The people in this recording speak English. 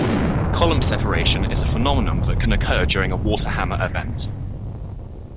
Column separation is a phenomenon that can occur during a water-hammer event.